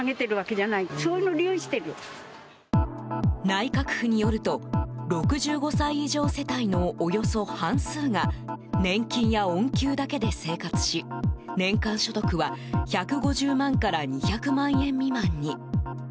内閣府によると６５歳以上世帯のおよそ半数が年金や恩給だけで生活し年間所得は１５０万から２００万円未満に。